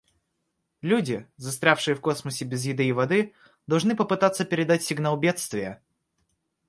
Люди, застрявшие в космосе без еды и воды, должны попытаться передать сигнал бедствия.